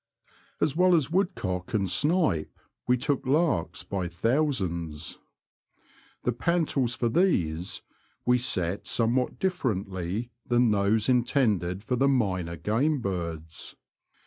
As well as woodcock and snipe, we took larks by thousands. The panties for these we set some what differently than those intended for the minor game birds.